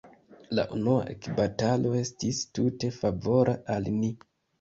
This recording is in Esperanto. La unua ekbatalo estis tute favora al ni.